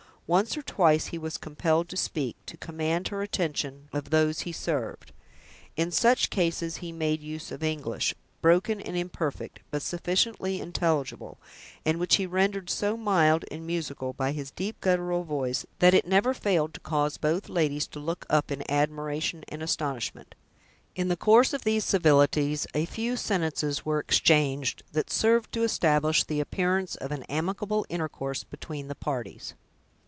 Once or twice he was compelled to speak, to command the attention of those he served. In such cases he made use of English, broken and imperfect, but sufficiently intelligible, and which he rendered so mild and musical, by his deep, guttural voice, that it never failed to cause both ladies to look up in admiration and astonishment. In the course of these civilities, a few sentences were exchanged, that served to establish the appearance of an amicable intercourse between the parties.